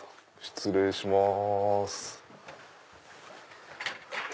失礼します。